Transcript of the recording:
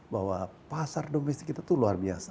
bahwa pasar domestik kita itu luar biasa